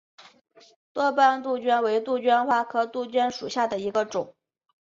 多斑杜鹃为杜鹃花科杜鹃属下的一个种。